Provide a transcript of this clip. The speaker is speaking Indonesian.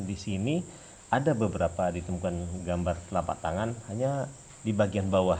di sini ada beberapa ditemukan gambar telapak tangan hanya di bagian bawah